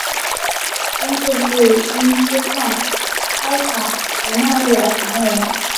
中世纪因锡矿开采和贸易而繁荣。